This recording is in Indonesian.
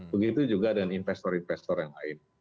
begitu juga dengan investor investor yang lain